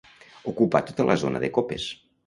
Ocupar tota la zona de copes.